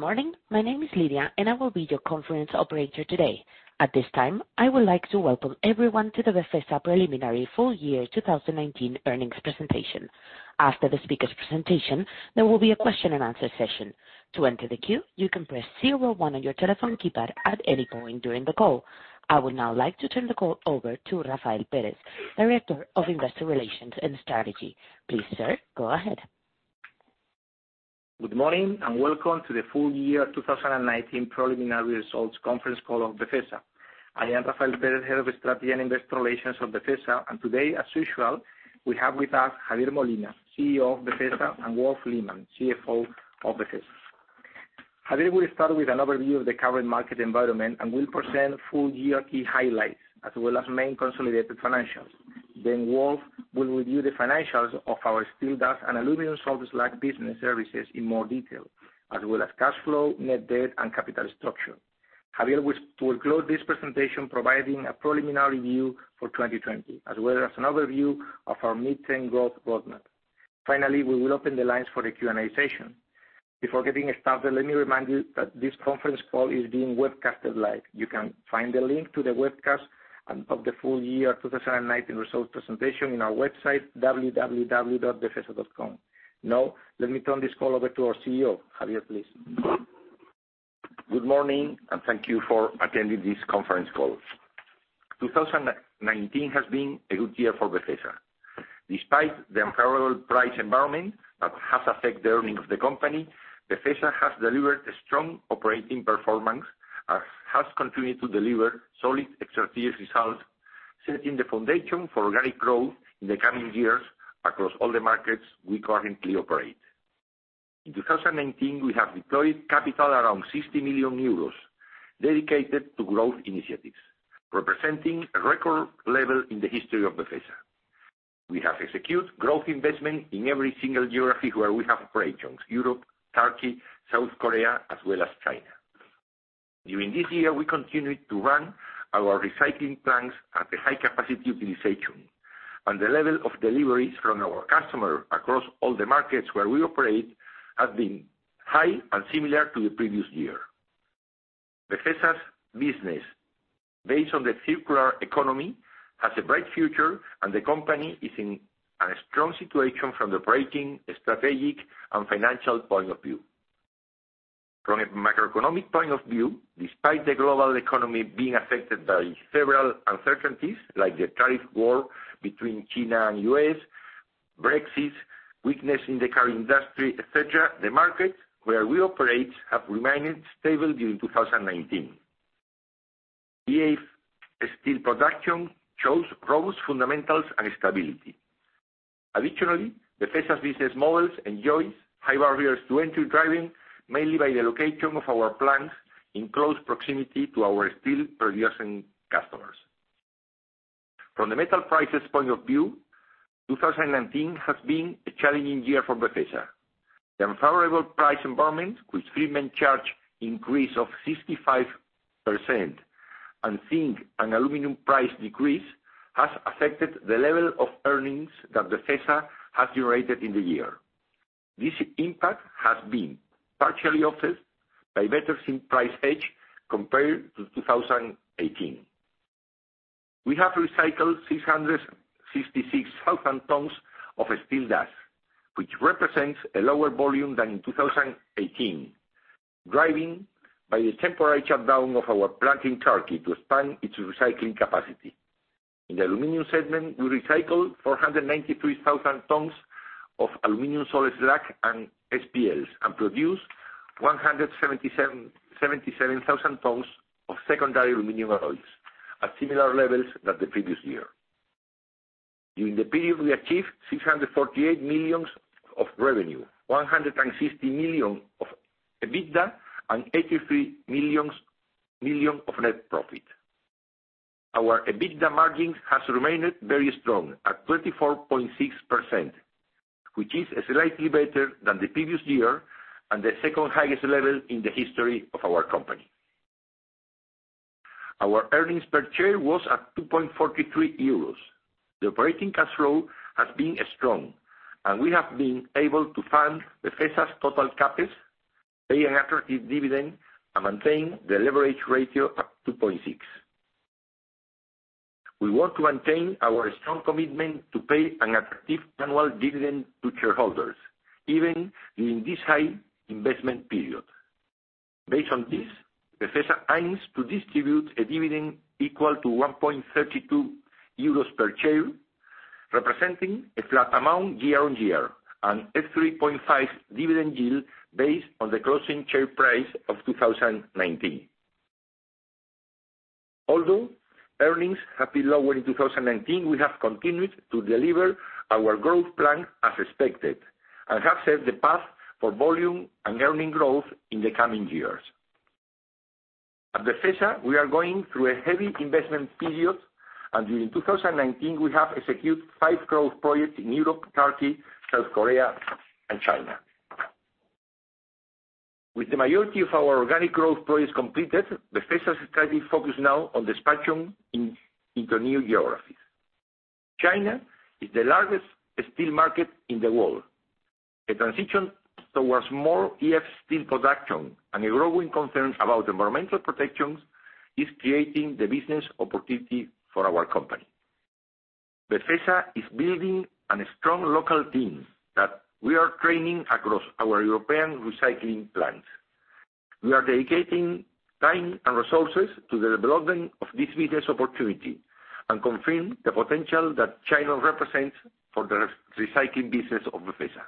Good morning. My name is Lydia, I will be your conference operator today. At this time, I would like to welcome everyone to the Befesa preliminary full year 2019 earnings presentation. After the speaker's presentation, there will be a question-and-answer session. To enter the queue, you can press zero one on your telephone keypad at any point during the call. I would now like to turn the call over to Rafael Pérez, Director of Investor Relations and Strategy. Please, sir, go ahead. Good morning, and welcome to the full year 2019 preliminary results conference call of Befesa. I am Rafael Pérez, Head of Strategy and Investor Relations of Befesa. Today, as usual, we have with us Javier Molina, CEO of Befesa, and Wolf Lehmann, CFO of Befesa. Javier will start with an overview of the current market environment and will present full year key highlights, as well as main consolidated financials. Wolf will review the financials of our Steel Dust and aluminium salt slags business services in more detail, as well as cash flow, net debt, and capital structure. Javier will close this presentation providing a preliminary view for 2020, as well as an overview of our mid-term growth roadmap. Finally, we will open the lines for the Q&A session. Before getting started, let me remind you that this conference call is being webcasted live. You can find the link to the webcast of the full year 2019 results presentation on our website, www.befesa.com. Let me turn this call over to our CEO. Javier, please. Good morning, and thank you for attending this conference call. 2019 has been a good year for Befesa. Despite the unfavorable price environment that has affected the earnings of the company, Befesa has delivered a strong operating performance and has continued to deliver solid extraordinary results, setting the foundation for organic growth in the coming years across all the markets we currently operate. In 2019, we have deployed capital around 60 million euros dedicated to growth initiatives, representing a record level in the history of Befesa. We have executed growth investment in every single geography where we have operations: Europe, Turkey, South Korea, as well as China. During this year, we continued to run our recycling plants at a high capacity utilization, and the level of deliveries from our customers across all the markets where we operate has been high and similar to the previous year. Befesa's business, based on the circular economy, has a bright future, and the company is in a strong situation from the operating, strategic, and financial point of view. From a macroeconomic point of view, despite the global economy being affected by several uncertainties, like the tariff war between China and U.S., Brexit, weakness in the car industry, et cetera, the markets where we operate have remained stable during 2019. EAF steel production shows robust fundamentals and stability. Additionally, Befesa's business models enjoys high barriers to entry, driving mainly by the location of our plants in close proximity to our steel producing customers. From the metal prices point of view, 2019 has been a challenging year for Befesa. The unfavorable price environment with treatment charge increase of 65%, and zinc and aluminium price decrease has affected the level of earnings that Befesa has generated in the year. This impact has been partially offset by better zinc price hedge compared to 2018. We have recycled 666,000 tonnes of steel dust, which represents a lower volume than in 2018, driven by the temporary shutdown of our plant in Turkey to expand its recycling capacity. In the Aluminum segment, we recycled 493,000 tonnes of aluminum salt slag and SPLs, and produced 177,000 tonnes of secondary aluminium alloys at similar levels than the previous year. During the period, we achieved 648 million of revenue, 160 million of EBITDA, and 83 million of net profit. Our EBITDA margin has remained very strong at 24.6%, which is slightly better than the previous year and the second highest level in the history of our company. Our earnings per share was at 2.43 euros. The operating cash flow has been strong, and we have been able to fund Befesa's total CapEx, pay an attractive dividend, and maintain the leverage ratio at 2.6. We want to maintain our strong commitment to pay an attractive annual dividend to shareholders, even in this high investment period. Based on this, Befesa aims to distribute a dividend equal to 1.32 euros per share, representing a flat amount year-on-year and a 3.5% dividend yield based on the closing share price of 2019. Although earnings have been lower in 2019, we have continued to deliver our growth plan as expected and have set the path for volume and earning growth in the coming years. At Befesa, we are going through a heavy investment period, and during 2019, we have executed five growth projects in Europe, Turkey, South Korea, and China. With the majority of our organic growth projects completed, Befesa is starting focus now on expansion into new geographies. China is the largest steel market in the world. The transition towards more EAF steel production and a growing concern about environmental protections is creating the business opportunity for our company. Befesa is building a strong local team that we are training across our European recycling plants. We are dedicating time and resources to the development of this business opportunity and confirm the potential that China represents for the recycling business of Befesa.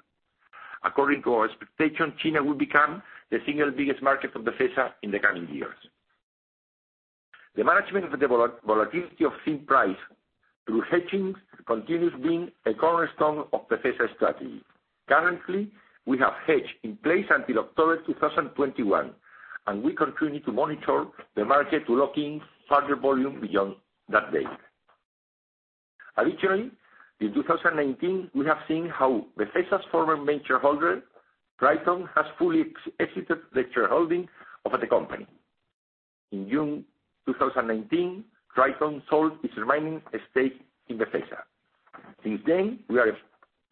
According to our expectation, China will become the single biggest market for Befesa in the coming years. The management of the volatility of zinc price through hedging continues being a cornerstone of Befesa strategy. Currently, we have hedge in place until October 2021. We continue to monitor the market to lock in further volume beyond that date. Additionally, in 2019, we have seen how Befesa's former major holder, Triton, has fully exited the shareholding of the company. In June 2019, Triton sold its remaining stake in Befesa. Since then, we are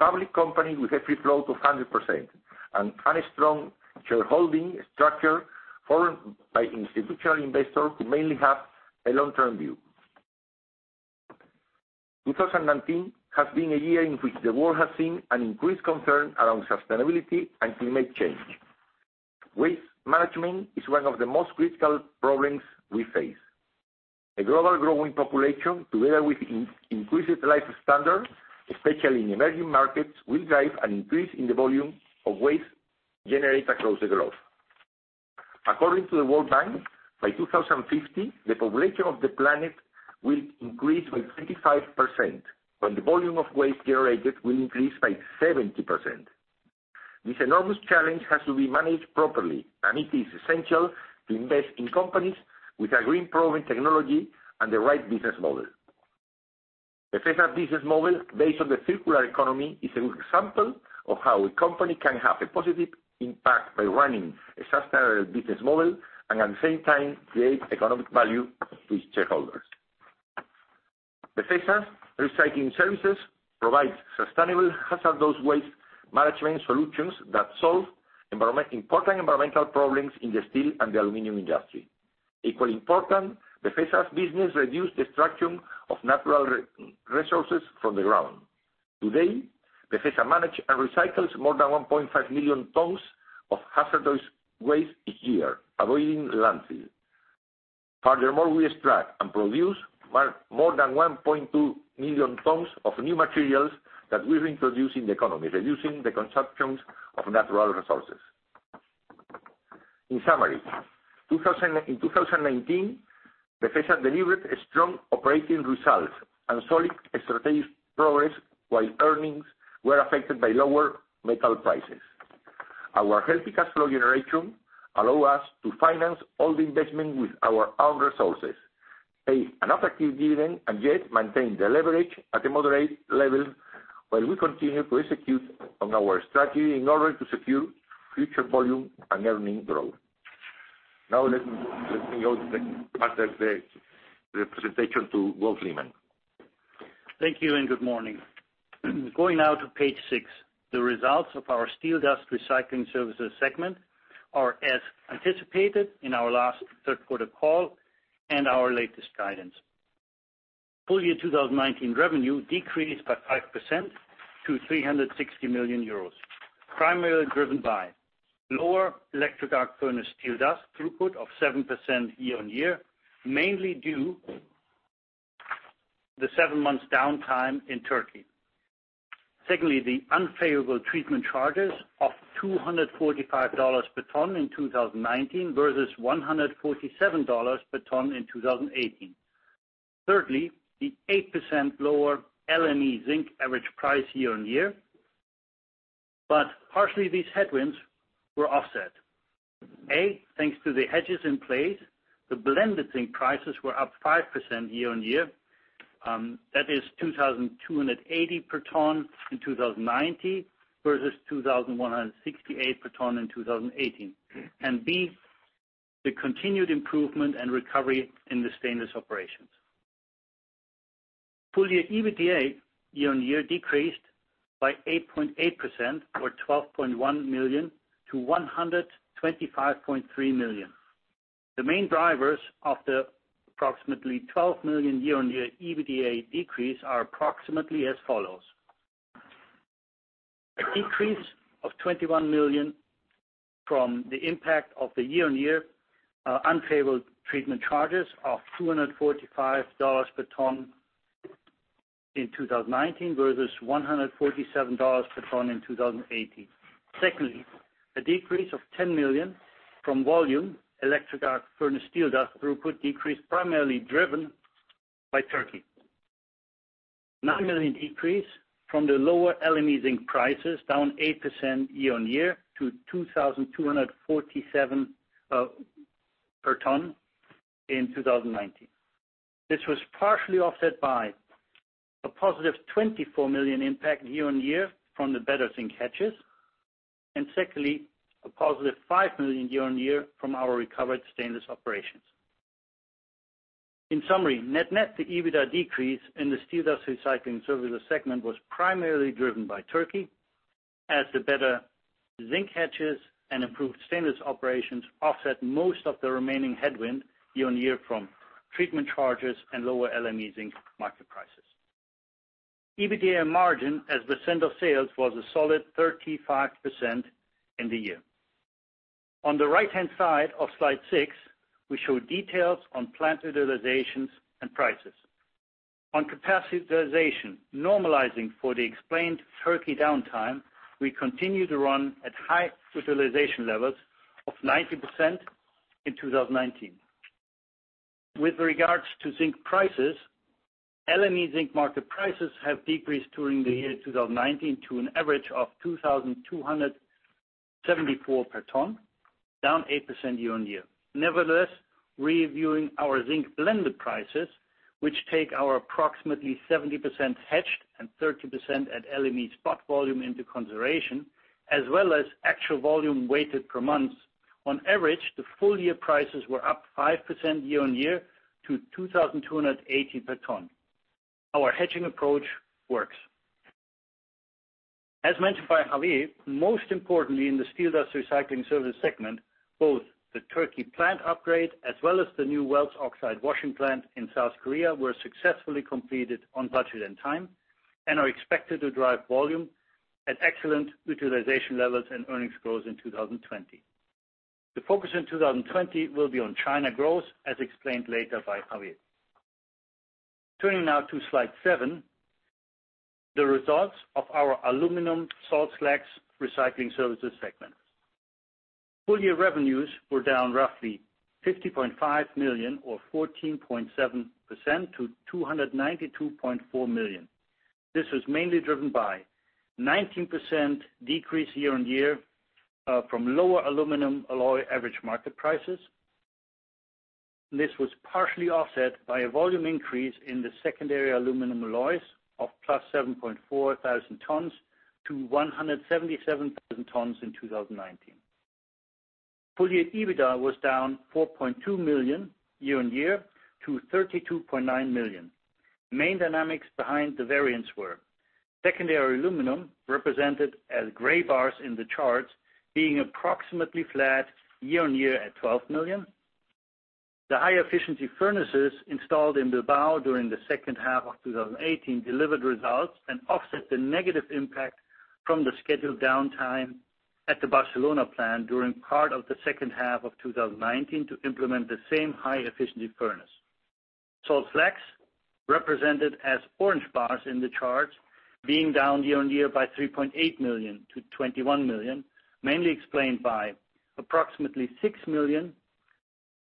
a public company with a free flow of 100% and a strong shareholding structure formed by institutional investors who mainly have a long-term view. 2019 has been a year in which the world has seen an increased concern around sustainability and climate change. Waste management is one of the most critical problems we face. A global growing population, together with increased life standards, especially in emerging markets, will drive an increase in the volume of waste generated across the globe. According to the World Bank, by 2050, the population of the planet will increase by 25%, while the volume of waste generated will increase by 70%. This enormous challenge has to be managed properly, and it is essential to invest in companies with a green proven technology and the right business model. Befesa business model based on the circular economy is a good example of how a company can have a positive impact by running a sustainable business model and at the same time create economic value for its shareholders. Befesa Recycling Services provides sustainable hazardous waste management solutions that solve important environmental problems in the steel and the aluminum industry. Equally important, Befesa's business reduce the extraction of natural resources from the ground. Today, Befesa manage and recycles more than 1.5 million tonnes of hazardous waste each year, avoiding landfill. Furthermore, we extract and produce more than 1.2 million tonnes of new materials that we introduce in the economy, reducing the consumptions of natural resources. In summary, in 2019, Befesa delivered a strong operating result and solid strategic progress while earnings were affected by lower metal prices. Our healthy cash flow generation allow us to finance all the investment with our own resources, pay an attractive dividend, and yet maintain the leverage at a moderate level while we continue to execute on our strategy in order to secure future volume and earning growth. Now let me hand over the presentation to Wolf Lehmann. Thank you, and good morning. Going now to page six. The results of our Steel Dust Recycling Services segment are as anticipated in our last third quarter call and our latest guidance. Full year 2019 revenue decreased by 5% to 360 million euros. Primarily driven by lower electric arc furnace steel dust throughput of 7% year-on-year, mainly due the seven months downtime in Turkey. Secondly, the unfavorable treatment charges of $245 per tonne in 2019 versus $147 per tonne in 2018. Thirdly, the 8% lower LME zinc average price year-on-year. Partially these headwinds were offset. A, thanks to the hedges in place, the blended zinc prices were up 5% year-on-year. That is 2,280 per tonne in 2019, versus 2,168 per tonne in 2018. B, the continued improvement and recovery in the Stainless operations. Full year EBITDA year-on-year decreased by 8.8% or 12.1 million to 125.3 million. The main drivers of the approximately 12 million year-on-year EBITDA decrease are approximately as follows. A decrease of 21 million from the impact of the year-on-year unfavorable treatment charges of $245 per tonne in 2019, versus $147 per tonne in 2018. Secondly, a decrease of 10 million from volume, electric arc furnace steel dust throughput decreased, primarily driven by Turkey. 9 million decrease from the lower LME zinc prices, down 8% year-on-year to 2,274 per tonne in 2019. This was partially offset by a +24 million impact year-on-year from the better zinc hedges. Secondly, a +5 million year-on-year from our recovered Stainless operations. In summary, net-net, the EBITDA decrease in the Steel Dust Recycling Services segment was primarily driven by Turkey, as the better zinc hedges and improved Stainless operations offset most of the remaining headwind year-on-year from treatment charges and lower LME zinc market prices. EBITDA margin as a percent of sales was a solid 35% in the year. On the right-hand side of slide six, we show details on plant utilizations and prices. On capacity utilization, normalizing for the explained Turkey downtime, we continue to run at high utilization levels of 90% in 2019. With regards to zinc prices, LME zinc market prices have decreased during the year 2019 to an average of 2,274 per tonne, down 8% year-on-year. Nevertheless, reviewing our zinc blended prices, which take our approximately 70% hedged and 30% at LME spot volume into consideration, as well as actual volume weighted per month, on average, the full-year prices were up 5% year-on-year to 2,280 per tonne. Our hedging approach works. As mentioned by Javier, most importantly in the Steel Dust Recycling Services segment, both the Turkey plant upgrade as well as the new waste oxide washing plant in South Korea were successfully completed on budget and time, are expected to drive volume at excellent utilization levels and earnings growth in 2020. The focus in 2020 will be on China growth, as explained later by Javier. Turning now to slide seven, the results of our Aluminium Salt Slags Recycling Services segment. Full-year revenues were down roughly 50.5 million or 14.7% to 292.4 million. This was mainly driven by 19% decrease year-on-year from lower aluminium alloy average market prices. This was partially offset by a volume increase in the secondary aluminium alloys of +7,400 tonnes to 177,000 tonnes in 2019. Full-year EBITDA was down 4.2 million year-on-year to 32.9 million. Main dynamics behind the variance were secondary aluminium, represented as gray bars in the charts, being approximately flat year-on-year at 12 million. The high-efficiency furnaces installed in Bilbao during the second half of 2018 delivered results and offset the negative impact from the scheduled downtime at the Barcelona plant during part of the second half of 2019 to implement the same high-efficiency furnace. Salt slags, represented as orange bars in the charts, being down year-on-year by 3.8 million to 21 million, mainly explained by approximately 6 million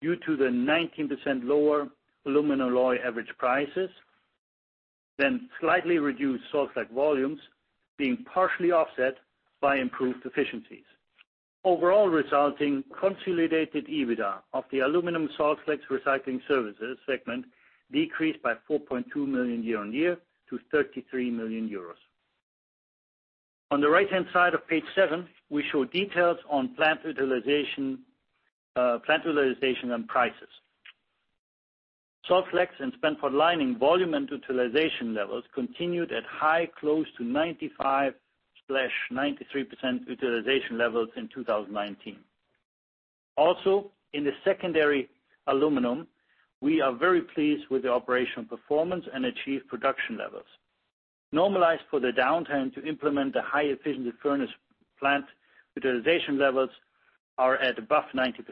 due to the 19% lower aluminium alloy average prices, then slightly reduced salt slags volumes being partially offset by improved efficiencies. Overall, resulting consolidated EBITDA of the Aluminium Salt Slags Recycling Services segment decreased by 4.2 million year-on-year to 33 million euros. On the right-hand side of page seven, we show details on plant utilization and prices. Salt slags and spent pot lining volume and utilization levels continued at high, close to 95%, less 93% utilization levels in 2019. Also, in the secondary aluminium, we are very pleased with the operational performance and achieved production levels. Normalized for the downtime to implement the high-efficiency furnace plant, utilization levels are at above 90%.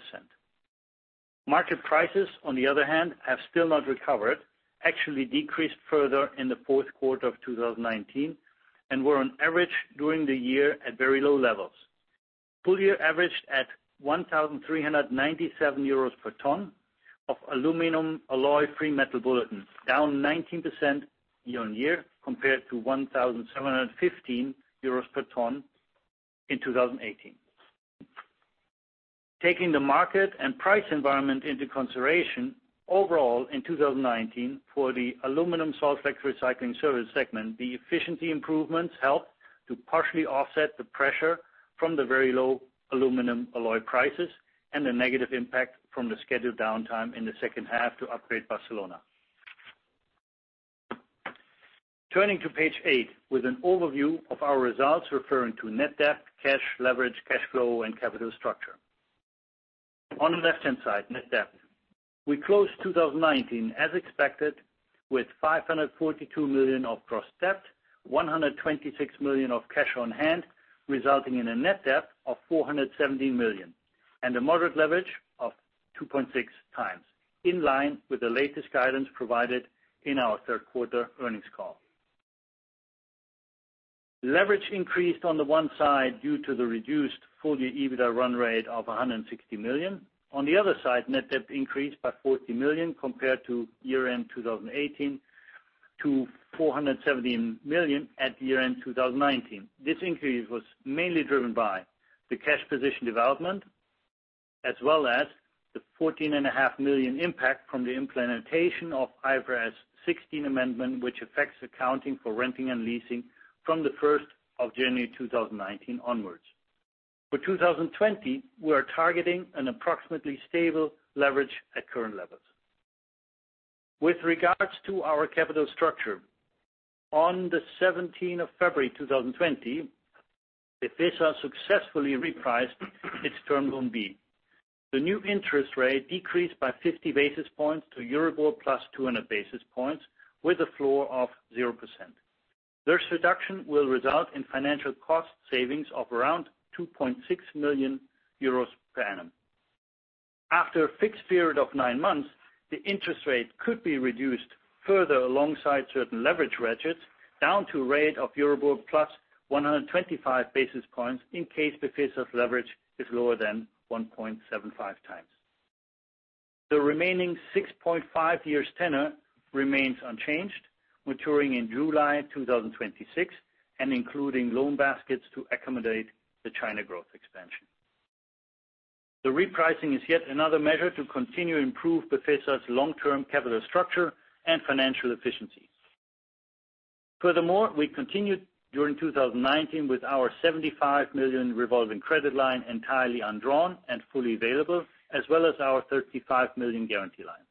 Market prices, on the other hand, have still not recovered, actually decreased further in the fourth quarter of 2019 and were on average during the year at very low levels. Full year averaged at 1,397 euros per tonne of aluminium alloy free Metal Bulletin, down 19% year-on-year compared to 1,715 euros per tonne in 2018. Taking the market and price environment into consideration, overall in 2019 for the Aluminium Salt Slags Recycling Service segment, the efficiency improvements helped to partially offset the pressure from the very low aluminium alloy prices and the negative impact from the scheduled downtime in the second half to upgrade Barcelona. Turning to page eight with an overview of our results referring to net debt, cash leverage, cash flow, and capital structure. On the left-hand side, net debt. We closed 2019 as expected with 542 million of gross debt, 126 million of cash on hand, resulting in a net debt of 417 million and a moderate leverage of 2.6x, in line with the latest guidance provided in our third quarter earnings call. Leverage increased on the one side due to the reduced full-year EBITDA run rate of 160 million. On the other side, net debt increased by 40 million compared to year-end 2018 to 417 million at year-end 2019. This increase was mainly driven by the cash position development, as well as the 14.5 million impact from the implementation of IFRS 16 amendment, which affects accounting for renting and leasing from the January 1st, 2019 onwards. For 2020, we are targeting an approximately stable leverage at current levels. With regards to our capital structure, on the February 17th, 2020, Befesa successfully repriced its term loan B. The new interest rate decreased by 50 basis points to Euribor plus 200 basis points with a floor of 0%. This reduction will result in financial cost savings of around 2.6 million euros per annum. After a fixed period of nine months, the interest rate could be reduced further alongside certain leverage registers down to rate of Euribor plus 125 basis points in case Befesa's leverage is lower than 1.75x. The remaining 6.5 years tenor remains unchanged, maturing in July 2026 and including loan baskets to accommodate the China growth expansion. The repricing is yet another measure to continue improve Befesa's long-term capital structure and financial efficiency. We continued during 2019 with our 75 million revolving credit line entirely undrawn and fully available, as well as our 35 million guarantee line.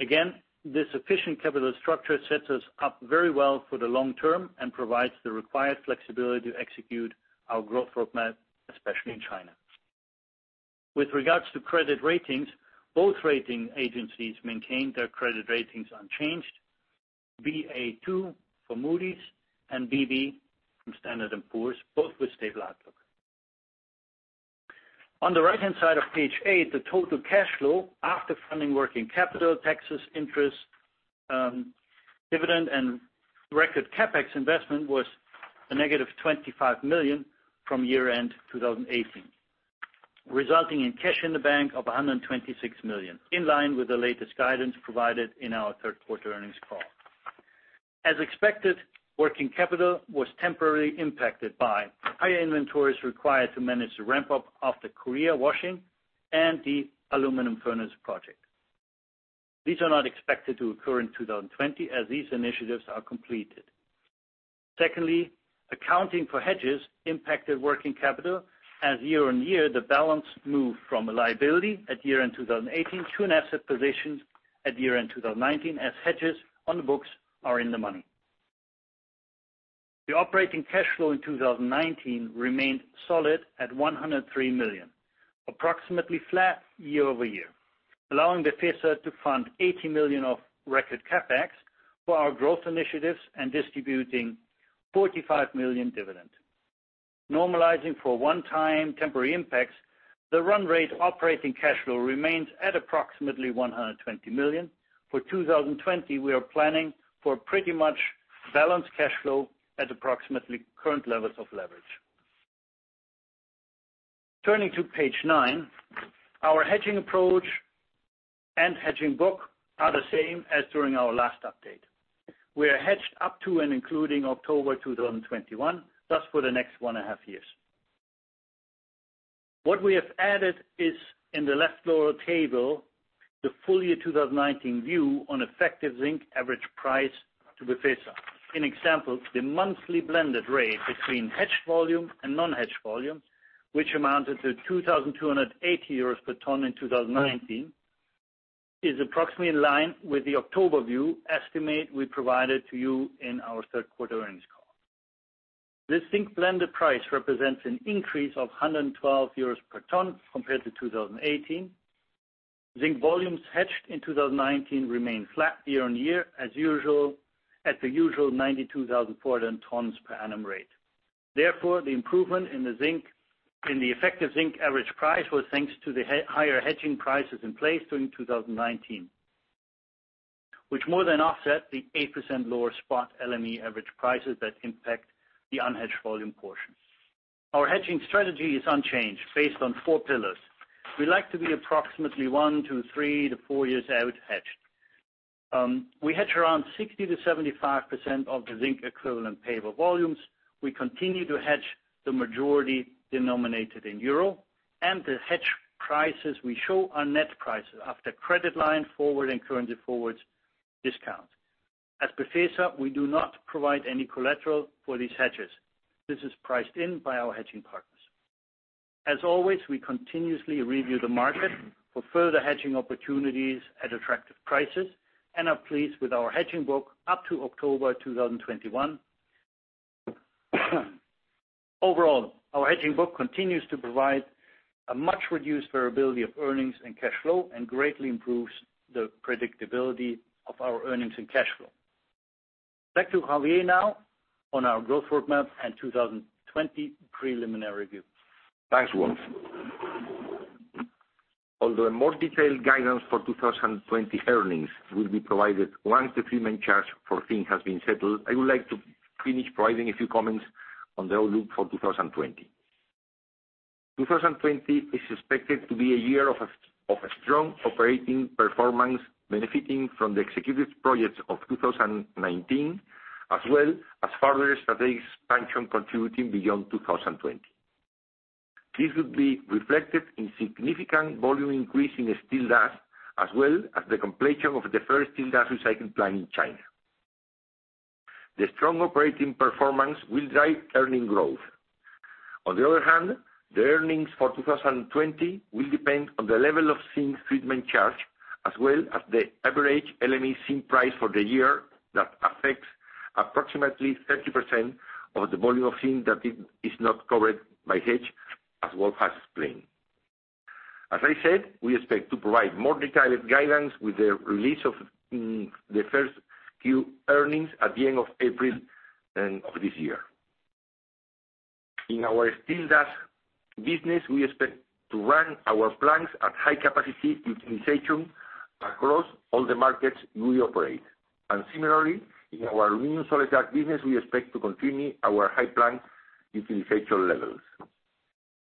Again, this efficient capital structure sets us up very well for the long term and provides the required flexibility to execute our growth roadmap, especially in China. With regards to credit ratings, both rating agencies maintained their credit ratings unchanged, Ba2 for Moody's and BB from Standard and Poor's, both with stable outlook. On the right-hand side of page eight, the total cash flow after funding working capital, taxes, interest, dividend, and record CapEx investment was a -25 million from year-end 2018, resulting in cash in the bank of 126 million, in line with the latest guidance provided in our third quarter earnings call. As expected, working capital was temporarily impacted by higher inventories required to manage the ramp-up of the Korea washing and the aluminum furnace project. These are not expected to occur in 2020 as these initiatives are completed. Secondly, accounting for hedges impacted working capital as year-on-year, the balance moved from a liability at year-end 2018 to an asset position at year-end 2019, as hedges on the books are in the money. The operating cash flow in 2019 remained solid at 103 million, approximately flat year-over-year, allowing Befesa to fund 80 million of record CapEx for our growth initiatives and distributing 45 million dividend. Normalizing for one-time temporary impacts, the run rate operating cash flow remains at approximately 120 million. For 2020, we are planning for pretty much balanced cash flow at approximately current levels of leverage. Turning to page nine, our hedging approach and hedging book are the same as during our last update. We are hedged up to and including October 2021, thus for the next one and a half years. What we have added is in the left lower table, the full year 2019 view on effective zinc average price to Befesa. In example, the monthly blended rate between hedged volume and non-hedged volume, which amounted to 2,280 euros per tonne in 2019, is approximately in line with the October view estimate we provided to you in our third quarter earnings call. This zinc blended price represents an increase of 112 euros per tonne compared to 2018. Zinc volumes hedged in 2019 remain flat year-on-year as usual, at the usual 92,400 tonnes per annum rate. Therefore, the improvement in the effective zinc average price was thanks to the higher hedging prices in place during 2019, which more than offset the 8% lower spot LME average prices that impact the unhedged volume portion. Our hedging strategy is unchanged based on four pillars. We like to be approximately one to three to four years out hedged. We hedge around 60%-75% of the zinc equivalent payable volumes. We continue to hedge the majority denominated in euro. The hedge prices we show are net prices after credit line forward and currency forwards discount. At Befesa, we do not provide any collateral for these hedges. This is priced in by our hedging partners. As always, we continuously review the market for further hedging opportunities at attractive prices and are pleased with our hedging book up to October 2021. Overall, our hedging book continues to provide a much reduced variability of earnings and cash flow and greatly improves the predictability of our earnings and cash flow. Back to Javier now on our growth roadmap and 2020 preliminary review. Thanks, Wolf. Although a more detailed guidance for 2020 earnings will be provided once the treatment charge for zinc has been settled, I would like to finish providing a few comments on the outlook for 2020. 2020 is suspected to be a year of a strong operating performance, benefiting from the executed projects of 2019, as well as further strategic expansion contributing beyond 2020. This would be reflected in significant volume increase in steel dust, as well as the completion of the first steel dust recycling plant in China. The strong operating performance will drive earning growth. On the other hand, the earnings for 2020 will depend on the level of zinc treatment charge, as well as the average LME zinc price for the year. That affects approximately 30% of the volume of zinc that is not covered by hedge, as Wolf has explained. As I said, we expect to provide more detailed guidance with the release of the first Q earnings at the end of April of this year. In our Steel Dust business, we expect to run our plants at high capacity utilization across all the markets we operate. Similarly, in our Aluminium Salt Slags Recycling Services, we expect to continue our high plant utilization levels.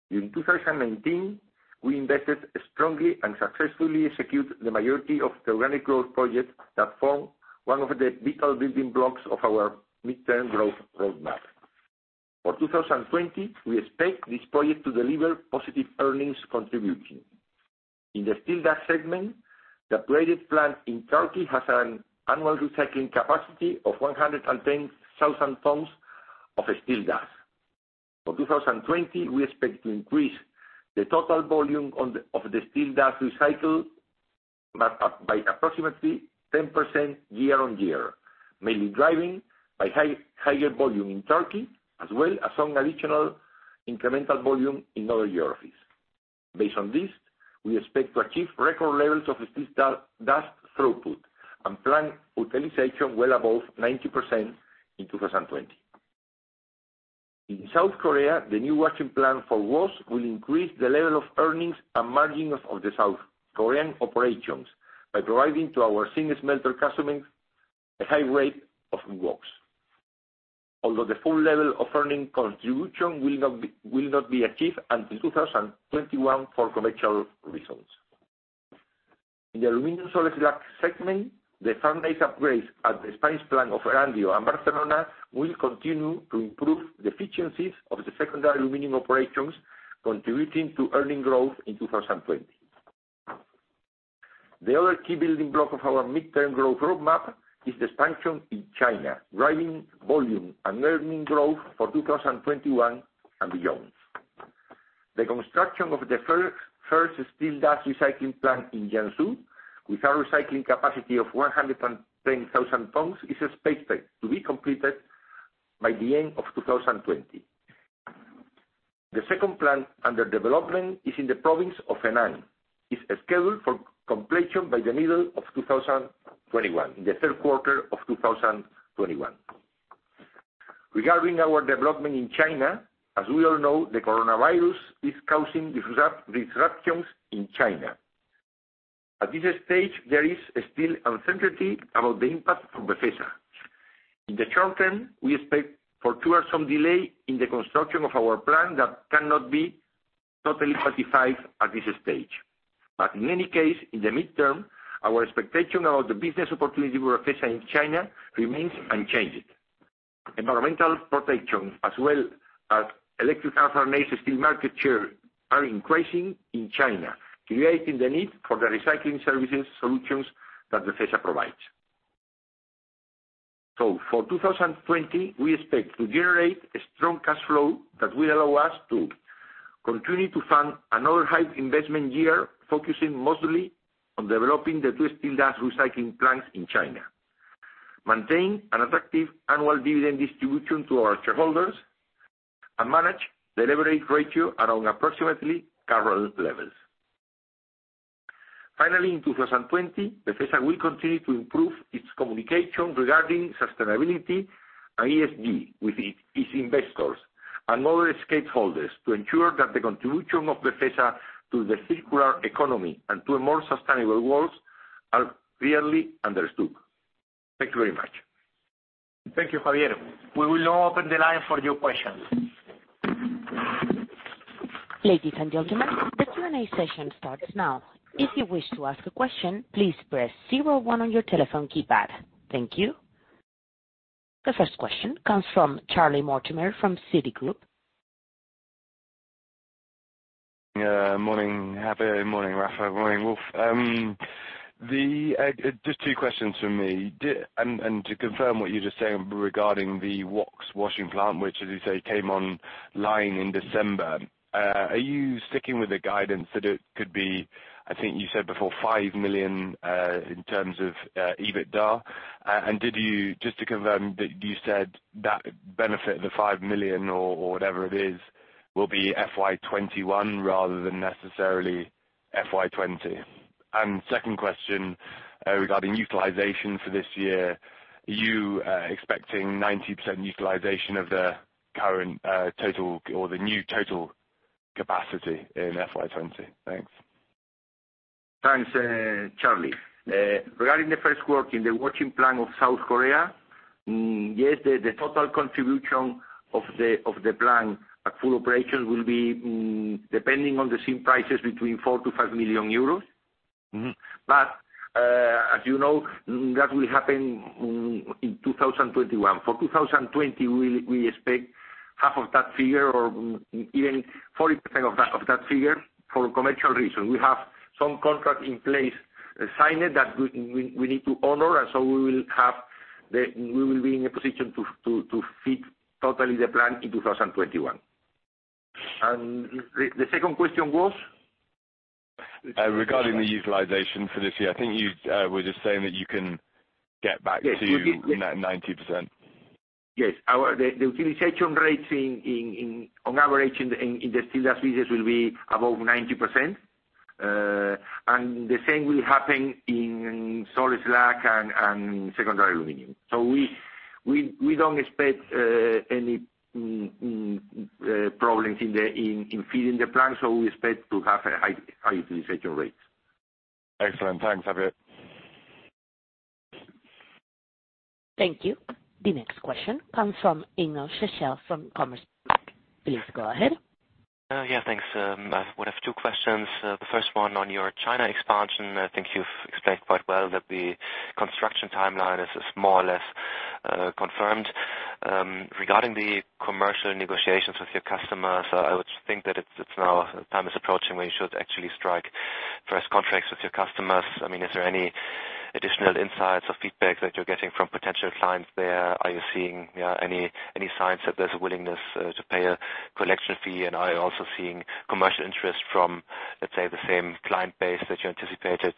In 2019, we invested strongly and successfully execute the majority of the organic growth projects that form one of the big building blocks of our midterm growth roadmap. For 2020, we expect this project to deliver positive earnings contribution. In the Steel Dust segment, upgraded plant in Turkey has an annual recycling capacity of 110,000 tonnes of steel dust. For 2020, we expect to increase the total volume of the steel dust recycled by approximately 10% year-on-year. Mainly driving by higher volume in Turkey, as well as some additional incremental volume in other geographies. Based on this, we expect to achieve record levels of steel dust throughput and plant utilization well above 90% in 2020. In South Korea, the new washing plant for WOx will increase the level of earning contribution and margin of the South Korean operations by providing to our zinc smelter customers a high rate of WOx. Although the full level of earning contribution will not be achieved until 2021 for commercial reasons. In the Aluminum Salt segment, the furnace upgrades at the Spanish plant of Aranjuez and Barcelona will continue to improve the efficiencies of the secondary aluminum operations, contributing to earning growth in 2020. The other key building block of our midterm growth roadmap is the expansion in China, driving volume and earning growth for 2021 and beyond. The construction of the first steel dust recycling plant in Jiangsu with a recycling capacity of 110,000 tonnes is expected to be completed by the end of 2020. The second plant under development is in the province of Henan. It's scheduled for completion by the middle of 2021, in the third quarter of 2021. Regarding our development in China, as we all know, the coronavirus is causing disruptions in China. At this stage, there is still uncertainty about the impact on Befesa. In the short term, we expect for two or some delay in the construction of our plant that cannot be totally quantified at this stage. In any case, in the midterm, our expectation about the business opportunity for Befesa in China remains unchanged. Environmental protection as well as electric arc furnace steel market share are increasing in China, creating the need for the recycling services solutions that Befesa provides. For 2020, we expect to generate a strong cash flow that will allow us to continue to fund another high investment year, focusing mostly on developing the two steel dust recycling plants in China. Maintain an attractive annual dividend distribution to our shareholders, and manage the leverage ratio around approximately current levels. Finally, in 2020, Befesa will continue to improve its communication regarding sustainability and ESG with its investors and other stakeholders to ensure that the contribution of Befesa to the circular economy and to a more sustainable world are clearly understood. Thank you very much. Thank you, Javier. We will now open the line for your questions. Ladies and gentlemen, the Q&A session starts now. If you wish to ask a question, please press zero one on your telephone keypad. Thank you. The first question comes from Charlie Mortimer from Citigroup. Morning, Javier. Morning, Rafael. Morning, Wolf. Just two questions from me. To confirm what you just said regarding the WOx washing plant, which, as you say, came online in December. Are you sticking with the guidance that it could be, I think you said before, 5 million, in terms of EBITDA? Did you, just to confirm, you said that benefit of the 5 million or whatever it is, will be FY 2021 rather than necessarily FY 2020? Second question, regarding utilization for this year. Are you expecting 90% utilization of the current total or the new total capacity in FY 2020? Thanks. Thanks, Charlie. Regarding the first work in the washing plant of South Korea, yes, the total contribution of the plant at full operation will be, depending on the same prices, between 4 million-5 million euros. As you know, that will happen in 2021. For 2020, we expect half of that figure or even 40% of that figure for commercial reasons. We have some contracts in place signed that we need to honor, we will be in a position to feed totally the plant in 2021. The second question was? Regarding the utilization for this year, I think you were just saying that you can get back to 90%. Yes. The utilization rates on average in the Steel Dust business will be above 90%. The same will happen in salt slag and secondary aluminium. We don't expect any problems in feeding the plant. We expect to have a high utilization rate. Excellent. Thanks, Javier. Thank you. The next question comes from Ingo Schachel from Commerzbank. Please go ahead. Yeah. Thanks. I would have two questions. The first one on your China expansion. I think you've explained quite well that the construction timeline is more or less confirmed. Regarding the commercial negotiations with your customers, I would think that now the time is approaching where you should actually strike first contracts with your customers. Is there any additional insights or feedback that you're getting from potential clients there? Are you seeing any signs that there's a willingness to pay a collection fee, and are you also seeing commercial interest from, let's say, the same client base that you anticipated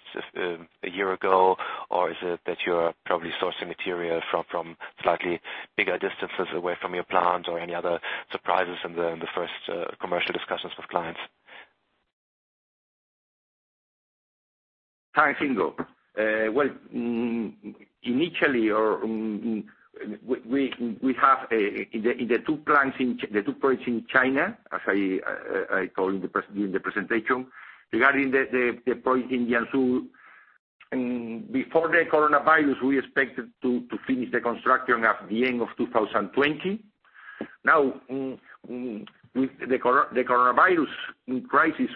a year ago? Is it that you're probably sourcing material from slightly bigger distances away from your plant or any other surprises in the first commercial discussions with clients? Hi, Ingo. Well, initially, we have in the two plants in China, as I told you in the presentation. Regarding the point in Jiangsu, before the coronavirus, we expected to finish the construction at the end of 2020. With the coronavirus crisis,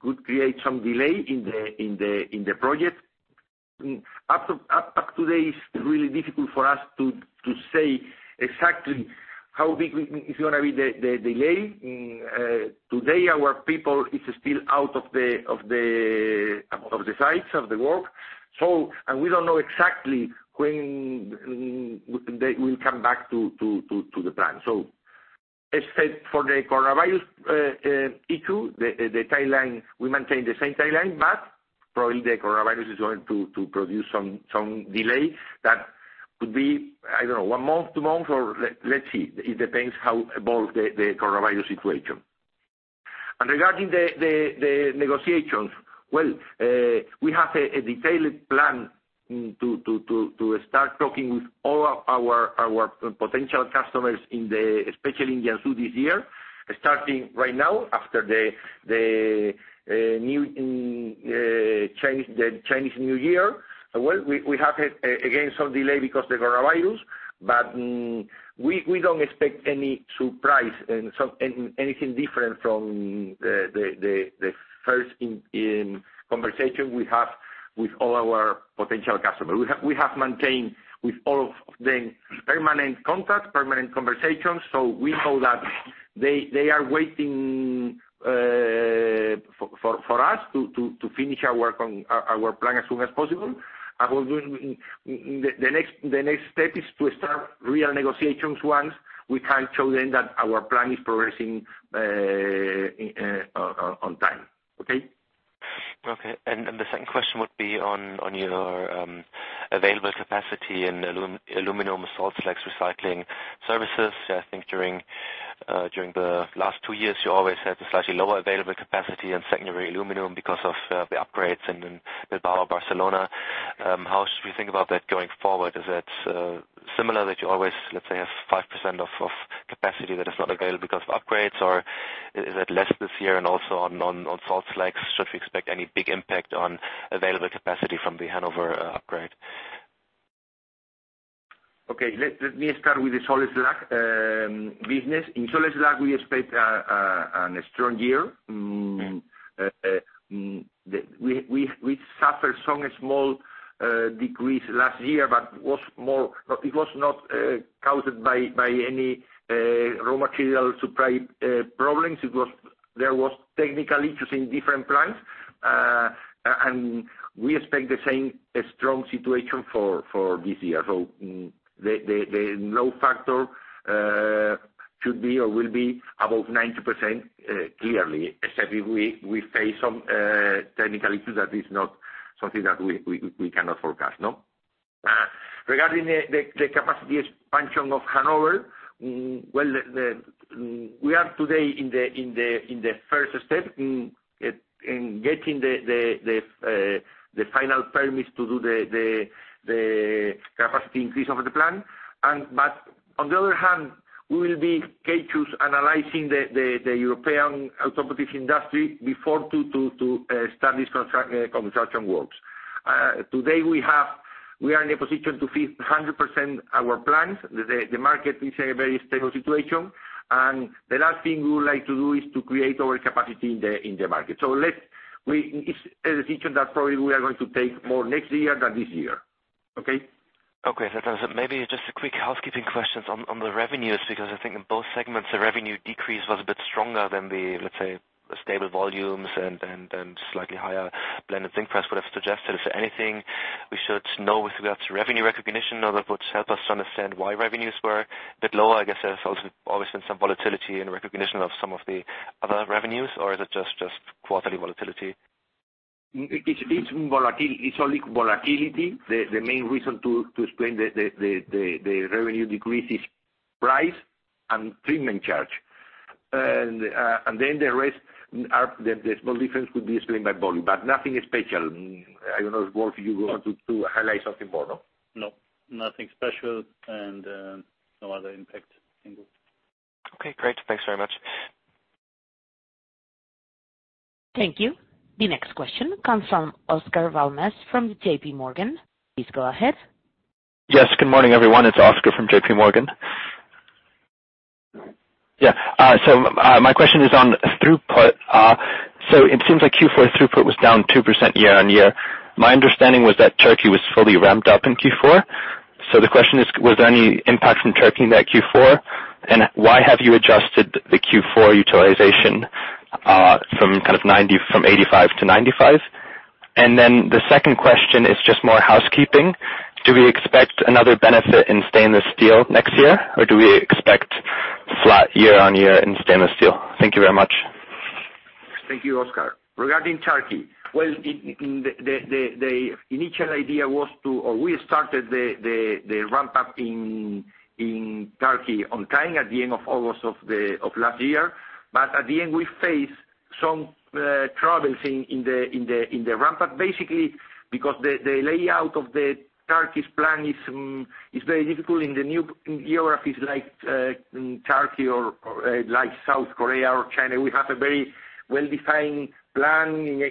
could create some delay in the project. Up to date, it's really difficult for us to say exactly how big is going to be the delay. Today, our people is still out of the sites of the work. We don't know exactly when they will come back to the plant. Except for the coronavirus issue, the timeline, we maintain the same timeline, probably the coronavirus is going to produce some delay. That could be, I don't know, one month, two months, let's see. It depends how evolves the coronavirus situation. Regarding the negotiations, well, we have a detailed plan to start talking with all of our potential customers, especially in Jiangsu this year, starting right now after the Chinese New Year. Well, we have, again, some delay because the coronavirus, but we don't expect any surprise, anything different from the first conversation we have with all our potential customers. We have maintained with all of them permanent contact, permanent conversations. We know that they are waiting for us to finish our work on our plant as soon as possible. The next step is to start real negotiations once we can show them that our plan is progressing on time. Okay? Okay. The second question would be on your available capacity in Aluminium Salt Slags Recycling Services. I think during the last two years, you always had a slightly lower available capacity in secondary aluminium because of the upgrades in Bilbao, Barcelona. How should we think about that going forward? Is that similar that you always, let's say, have 5% of capacity that is not available because of upgrades, or is it less this year and also on solid slags? Should we expect any big impact on available capacity from the Hannover upgrade? Okay. Let me start with the salt slag business. In salt slag, we expect a strong year. We suffered some small decrease last year, but it was not caused by any raw material supply problems. There was technical issues in different plants. We expect the same strong situation for this year. The load factor should be or will be above 90%, clearly, except if we face some technical issue. That is not something that we cannot forecast. Regarding the capacity expansion of Hannover, well, we are today in the first step in getting the final permits to do the capacity increase of the plant. On the other hand, we will be cautious analyzing the European automotive industry before to start this construction work. Today, we are in a position to feed 100% our plants. The market is in a very stable situation. The last thing we would like to do is to create our capacity in the market. It's a decision that probably we are going to take more next year than this year. Okay. Okay. Maybe just a quick housekeeping question on the revenues. I think in both segments, the revenue decrease was a bit stronger than the, let's say, stable volumes and slightly higher blended zinc price would have suggested. Is there anything we should know with regards to revenue recognition, or that would help us to understand why revenues were a bit low? I guess there's also always been some volatility in recognition of some of the other revenues, or is it just quarterly volatility? It's only volatility. The main reason to explain the revenue decrease is price and treatment charge. The rest, the small difference could be explained by volume, but nothing special. I don't know if, Wolf, you want to highlight something more. No. Nothing special, and no other impact. Okay, great. Thanks very much. Thank you. The next question comes from Oscar Val Mas from JPMorgan. Please go ahead. Good morning, everyone. It's Oscar from JPMorgan. My question is on throughput. It seems like Q4 throughput was down 2% year-on-year. My understanding was that Turkey was fully ramped up in Q4. The question is, was there any impact from Turkey in that Q4? Why have you adjusted the Q4 utilization from 85% to 95%? The second question is just more housekeeping. Do we expect another benefit in stainless steel next year, or do we expect flat year-on-year in stainless steel? Thank you very much. Thank you, Oscar. Regarding Turkey, well, we started the ramp up in Turkey on time at the end of August of last year. At the end, we faced some troubles in the ramp up, basically because the layout of the Turkish plant is very difficult. In the new geographies like Turkey or like South Korea or China, we have a very well-defined plant,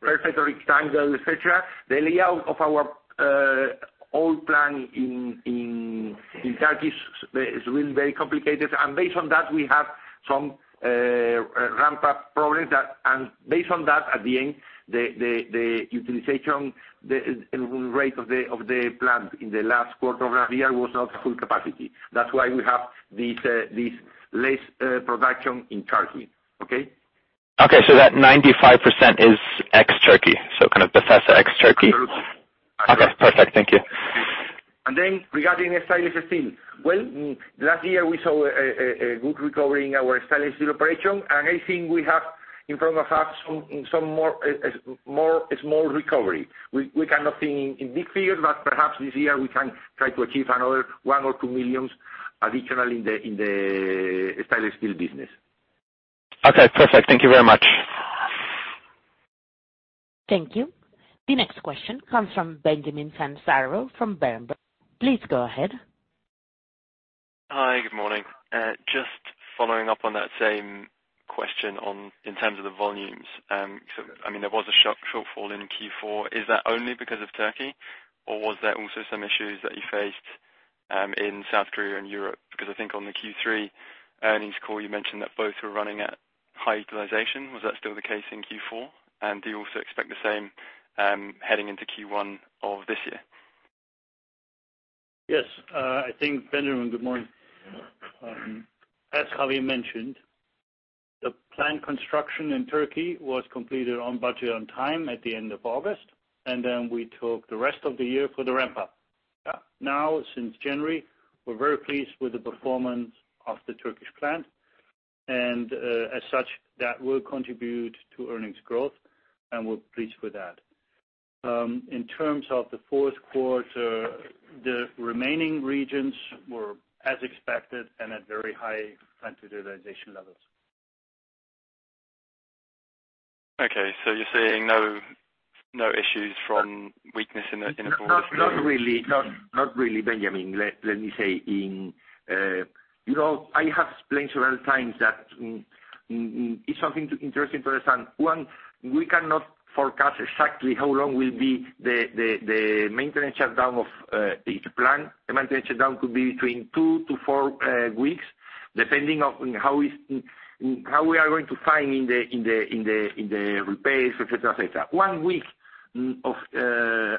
perfect rectangle, et cetera. The layout of our old plant in Turkey is really very complicated. Based on that, we have some ramp-up problems. Based on that, at the end, the utilization rate of the plant in the last quarter of last year was not full capacity. That's why we have this less production in Turkey. Okay? Okay. That 95% is ex Turkey, so kind of Befesa ex Turkey. Absolutely. Okay, perfect. Thank you. Regarding stainless steel. Well, last year we saw a good recovery in our stainless steel operation, and I think we have in front of us some more small recovery. We cannot think in big figures, perhaps this year we can try to achieve another 1 million or 2 million additional in the stainless steel business. Okay, perfect. Thank you very much. Thank you. The next question comes from Benjamin Pfannes-Varrow from Berenberg. Please go ahead. Hi. Good morning. Just following up on that same question in terms of the volumes. There was a shortfall in Q4. Is that only because of Turkey, or was there also some issues that you faced in South Korea and Europe? Because I think on the Q3 earnings call, you mentioned that both were running at high utilization. Was that still the case in Q4? Do you also expect the same heading into Q1 of this year? Yes. Benjamin, good morning. As Javier mentioned, the plant construction in Turkey was completed on budget, on time at the end of August, and then we took the rest of the year for the ramp up. Now, since January, we're very pleased with the performance of the Turkish plant, and as such, that will contribute to earnings growth, and we're pleased with that. In terms of the fourth quarter, the remaining regions were as expected and at very high plant utilization levels. Okay, you're seeing no issues from weakness in the fourth quarter? Not really, Benjamin. I have explained several times that it's something interesting to understand. One, we cannot forecast exactly how long will be the maintenance shutdown of each plant. The maintenance shutdown could be between two to four weeks, depending on how we are going to find in the repairs, et cetera. One week of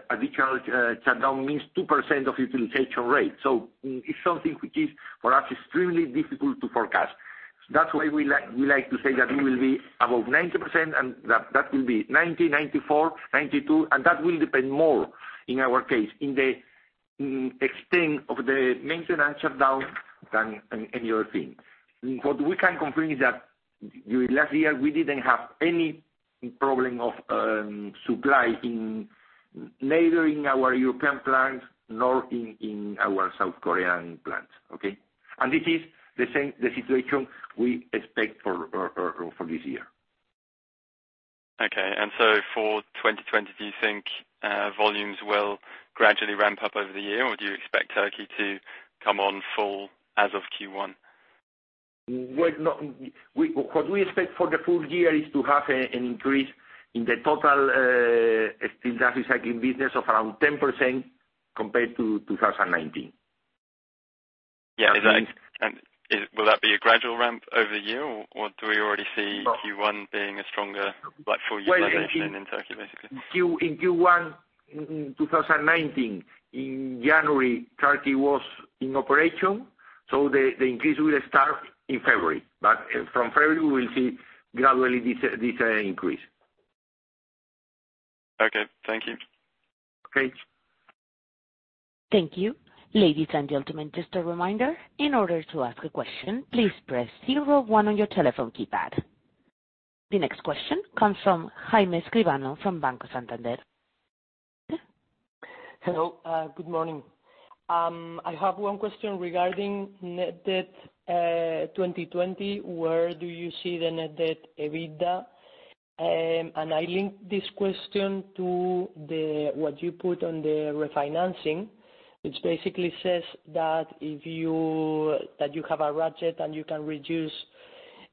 additional shutdown means 2% of utilization rate. It's something which is for us extremely difficult to forecast. That's why we like to say that we will be above 90% and that will be 90%, 94%, 92%. That will depend more in our case, in the extent of the maintenance shutdown than any other thing. What we can confirm is that last year, we didn't have any problem of supply neither in our European plants nor in our South Korean plants. Okay? It is the same situation we expect for this year. Okay. For 2020, do you think volumes will gradually ramp up over the year, or do you expect Turkey to come on full as of Q1? What we expect for the full year is to have an increase in the total Steel Dust Recycling business of around 10% compared to 2019. Yeah. Will that be a gradual ramp over the year, or do we already see Q1 being a stronger full year than in Turkey, basically? In Q1, 2019, in January, Turkey was in operation. The increase will start in February. From February, we will see gradually this increase. Okay. Thank you. Great. Thank you. Ladies and gentlemen, just a reminder. In order to ask a question, please press zero one on your telephone keypad. The next question comes from Jaime Escribano from Banco Santander. Hello, good morning. I have one question regarding net debt 2020. Where do you see the net debt, EBITDA? I link this question to what you put on the refinancing, which basically says that you have a ratchet and you can reduce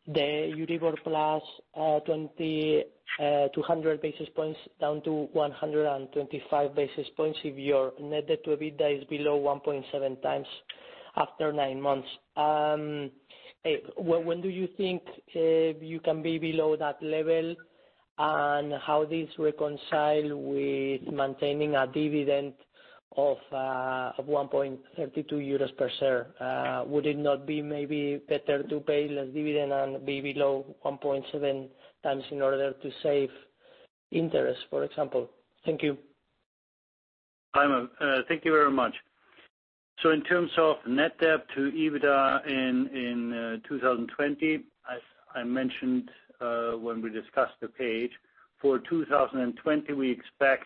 the Euribor plus 200 basis points down to 125 basis points if your net debt to EBITDA is below 1.7x after nine months. When do you think you can be below that level, and how does this reconcile with maintaining a dividend of 1.32 euros per share? Would it not be maybe better to pay less dividend and be below 1.7x in order to save interest, for example? Thank you. Jaime, thank you very much. In terms of net debt to EBITDA in 2020, as I mentioned when we discussed the page, for 2020, we expect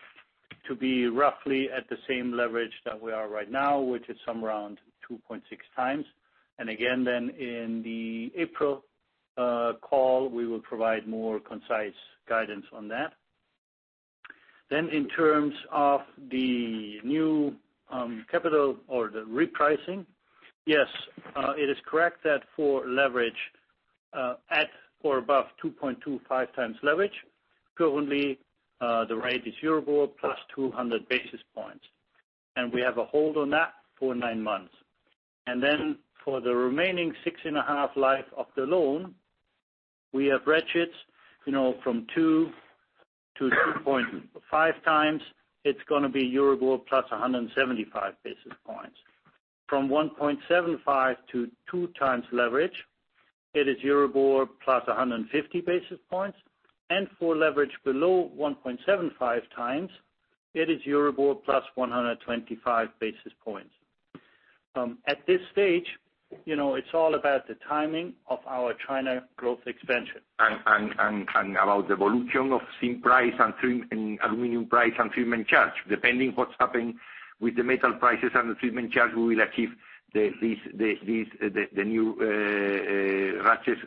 to be roughly at the same leverage that we are right now, which is somewhere around 2.6x. Again, then in the April call, we will provide more concise guidance on that. In terms of the new capital or the repricing, yes, it is correct that for leverage at or above 2.25x leverage, currently the rate is Euribor plus 200 basis points. We have a hold on that for nine months. For the remaining six and a half life of the loan, we have ratchets from 2x-2.5x, it's going to be Euribor plus 175 basis points. From 1.75x-2x leverage, it is Euribor plus 150 basis points. For leverage below 1.75x, it is Euribor plus 125 basis points. At this stage, it is all about the timing of our China growth expansion. About the evolution of zinc price and aluminium price and treatment charge. Depending what's happening with the metal prices and the treatment charge, we will achieve the new ratchets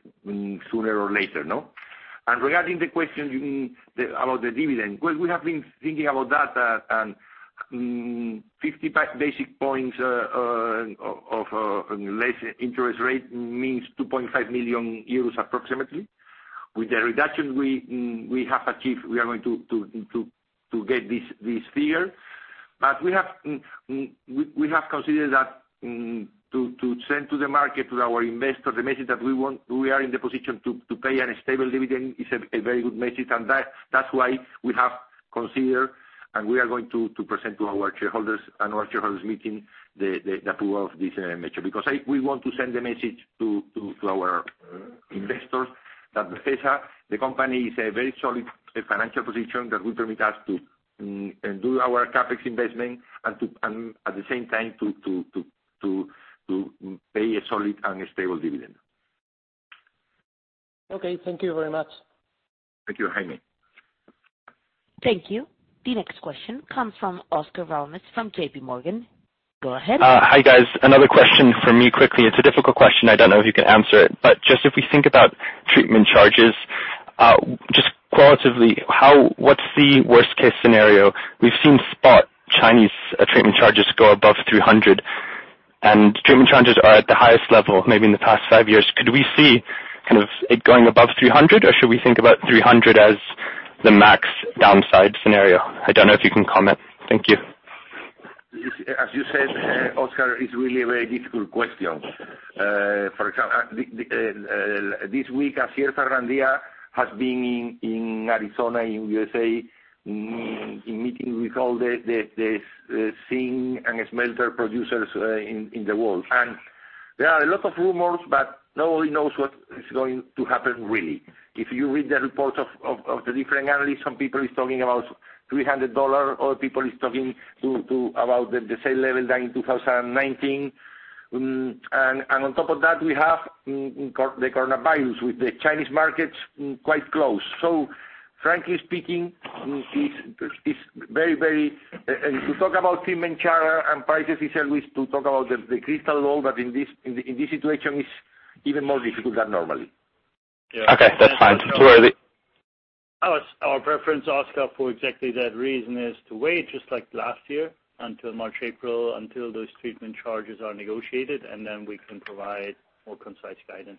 sooner or later. Regarding the question about the dividend, we have been thinking about that, 50 basis points of less interest rate means 2.5 million euros approximately. With the reduction we have achieved, we are going to get this figure. We have considered that to send to the market, to our investors, the message that we are in the position to pay a stable dividend is a very good message. That's why we have considered, and we are going to present to our shareholders in our shareholders' meeting the approval of this measure. Because we want to send a message to our investors that Befesa, the company, is a very solid financial position that will permit us to do our CapEx investment and at the same time to pay a solid and a stable dividend. Okay. Thank you very much. Thank you, Jaime. Thank you. The next question comes from Oscar Val Mas from JPMorgan. Go ahead. Hi, guys. Another question from me quickly. It's a difficult question. I don't know if you can answer it. Just if we think about treatment charges, just qualitatively, what's the worst-case scenario? We've seen spot Chinese treatment charges go above $300, and treatment charges are at the highest level maybe in the past five years. Could we see it going above $300, or should we think about $300 as the max downside scenario? I don't know if you can comment. Thank you. As you said, Oscar, it's really a very difficult question. This week, Asier Zarraonandia has been in Arizona in USA., in meeting with all the zinc and smelter producers in the world. There are a lot of rumors, but nobody knows what is going to happen really. If you read the reports of the different analysts, some people are talking about $300, other people are talking about the same level than in 2019. On top of that, we have the coronavirus, with the Chinese markets quite close. Frankly speaking, to talk about treatment charge and prices is always to talk about the crystal ball, but in this situation, it's even more difficult than normal. Okay, that's fine. Our preference, Oscar, for exactly that reason, is to wait just like last year until March, April, until those treatment charges are negotiated, and then we can provide more concise guidance.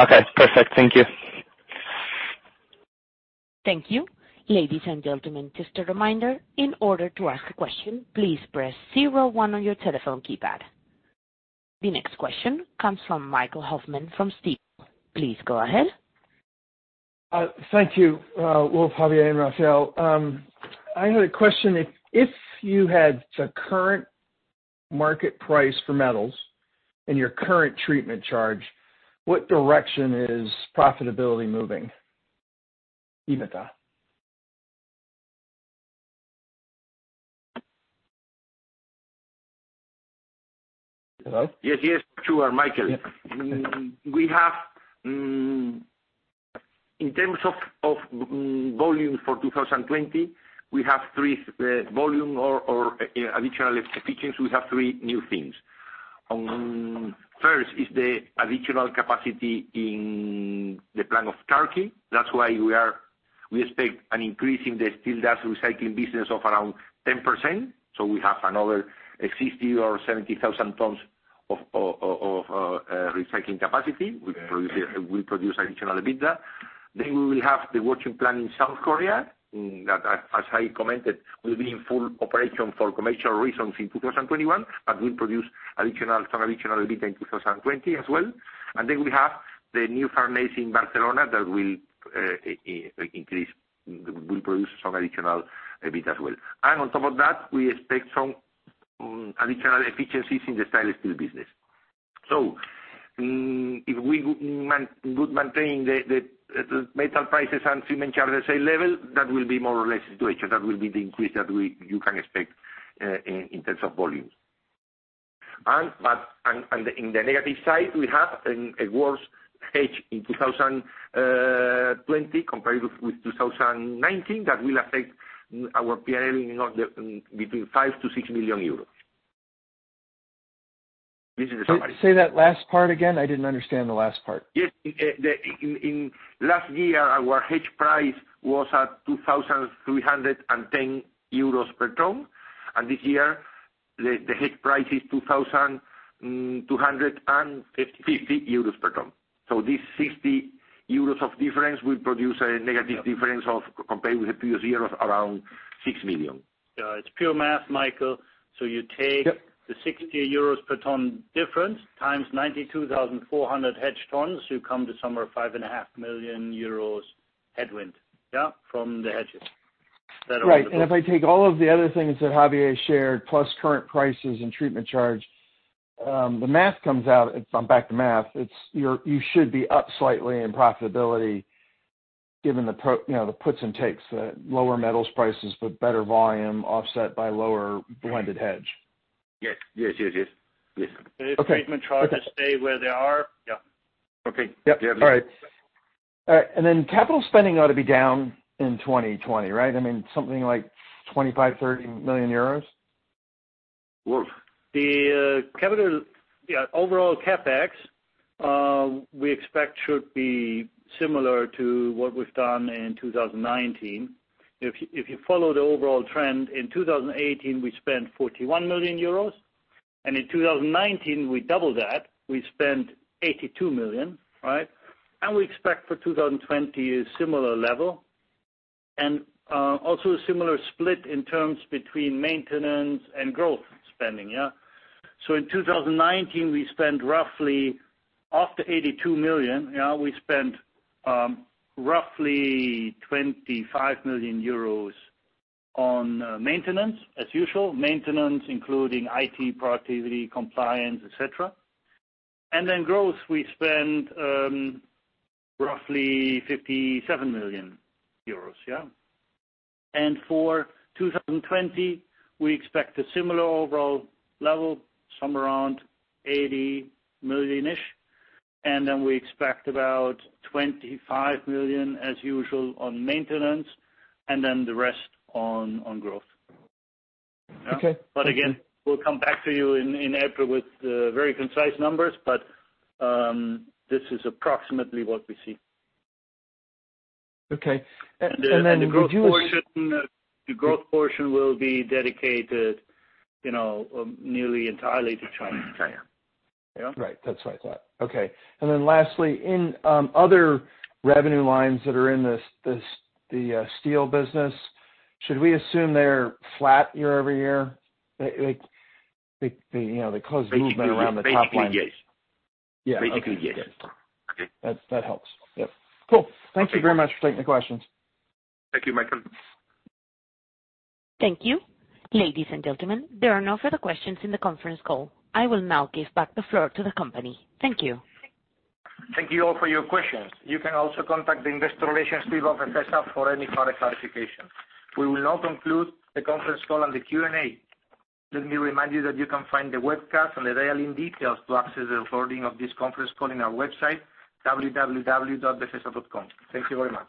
Okay, perfect. Thank you. Thank you. Ladies and gentlemen, just a reminder, in order to ask a question, please press zero one on your telephone keypad. The next question comes from Michael Hoffman from Stifel. Please go ahead. Thank you. Well, Javier and Rafael, I had a question. If you had the current market price for metals and your current treatment charge, what direction is profitability moving? EBITDA. Hello? Yes, sure, Michael. In terms of volume for 2020, we have three volume or additional efficiencies. We have three new things. First is the additional capacity in the plant of Turkey. We expect an increase in the Steel Dust Recycling business of around 10%. We have another 60,000 or 70,000 tonnes of recycling capacity. We produce additional EBITDA. We will have the washing plant in South Korea, that, as I commented, will be in full operation for commercial reasons in 2021, but will produce some additional EBITDA in 2020 as well. We have the new furnace in Barcelona that will produce some additional EBITDA as well. On top of that, we expect some additional efficiencies in the stainless steel business. If we would maintain the metal prices and treatment charges at the same level, that will be more or less the situation. That will be the increase that you can expect in terms of volumes. In the negative side, we have a worse hedge in 2020 compared with 2019 that will affect our P&L between 5 million-6 million euros. This is the summary. Can you say that last part again? I didn't understand the last part. Yes. Last year, our hedge price was at 2,310 euros per tonne, and this year, the hedge price is 2,250 euros per tonne. This 60 euros of difference will produce a negative difference compared with the previous year of around 6 million. Yeah, it's pure math, Michael. You take the 60 euros per tonne difference times 92,400 hedged tonnes, you come to somewhere 5.5 million euros headwind. Yeah. From the hedges. Right. If I take all of the other things that Javier shared, plus current prices and treatment charge, the math comes out, if I'm back to math, you should be up slightly in profitability given the puts and takes. The lower metals prices, but better volume offset by lower blended hedge. Yes. If treatment charges stay where they are, yeah. Okay. Yep, all right. Capital spending ought to be down in 2020, right? Something like 25 million euros, 30 million euros? The overall CapEx, we expect should be similar to what we've done in 2019. If you follow the overall trend, in 2018, we spent 41 million euros, in 2019, we doubled that. We spent 82 million. We expect for 2020 a similar level and also a similar split in terms between maintenance and growth spending. In 2019, we spent roughly, after 82 million, we spent roughly 25 million euros on maintenance, as usual. Maintenance including IT, productivity, compliance, et cetera. Growth, we spent roughly 57 million euros. For 2020, we expect a similar overall level, somewhere around 80 million-ish. We expect about 25 million as usual on maintenance, and then the rest on growth. Okay. Again, we'll come back to you in April with very concise numbers, but this is approximately what we see. Okay. The growth portion will be dedicated nearly entirely to China. Yeah. Right. That's what I thought. Okay. Lastly, in other revenue lines that are in the steel business, should we assume they're flat year-over-year? The close movement around the top line. Basically, yes. Yeah. Okay. Basically, yes. That helps. Yep. Cool. Thank you very much for taking the questions. Thank you, Michael. Thank you. Ladies and gentlemen, there are no further questions in the conference call. I will now give back the floor to the company. Thank you. Thank you all for your questions. You can also contact the investor relations team of Befesa for any product clarification. We will now conclude the conference call and the Q&A. Let me remind you that you can find the webcast and the dial-in details to access a recording of this conference call in our website, www.befesa.com. Thank you very much.